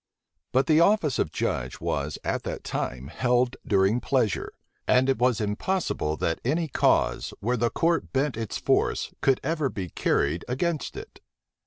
But the office of judge was at that time held during pleasure; and it was impossible that any cause, where the court bent its force, could ever be carried against it.